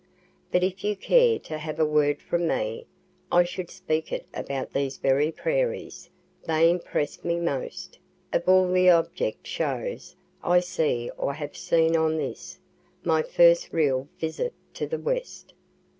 But if you care to have a word from me, I should speak it about these very prairies; they impress me most, of all the objective shows I see or have seen on this, my first real visit to the West.